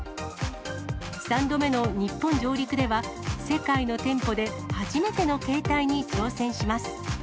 ３度目の日本上陸では、世界の店舗で初めての形態に挑戦します。